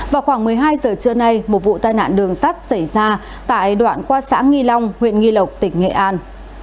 vào khoảng một mươi hai giờ trưa nay một vụ tai nạn đường sắt xảy ra tại đoạn qua xã nghi long huyện nghi lộc tỉnh nghệ an